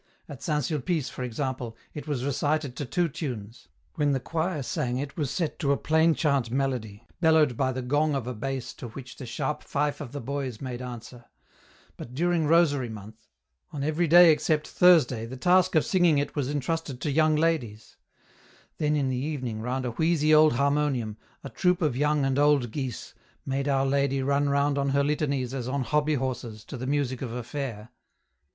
At St. Sulpice, for example, it was recited to two tunes. When the choir sang it was set to a plain chant melody, bellowed by the gong of a bass to which the sharp fife of the boys made answer ; but during Rosary month, on every day except Thursday the task of singing it was entrusted to young ladies ; then in the evening round a wheezy old harmonium, a troup of young and old geese, made Our Lady run round on her litanies as on hobby horses to the music of a fair EN ROUTE.